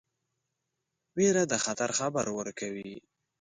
ویره د خطر خبر ورکوي.